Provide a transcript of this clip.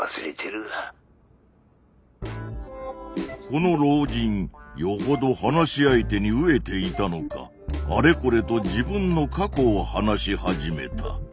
この老人よほど話し相手に飢えていたのかあれこれと自分の過去を話し始めた。